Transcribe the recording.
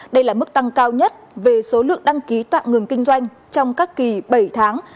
đây là mức tăng cao nhất về số lượng đăng ký tạm ngừng kinh doanh trong các kỳ bảy tháng